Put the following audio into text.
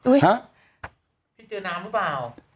อุ๊ยพี่เจอน้ำบ้างรึป่าว